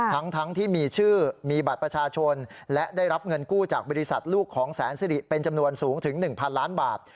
ทั้งที่มีชื่อมีบัตรประชาชนและได้รับเงินกู้จากบริษัทลูกของแสนสิริเป็นจำนวนสูงถึง๑๐๐ล้านบาท